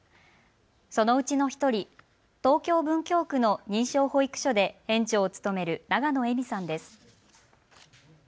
そのうちの１人、東京文京区の認証保育所で園長を務める長野恵美さんです。